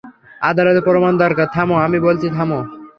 আদালতের প্রমাণ দরকার, - থামো, আমি বলছি থামো।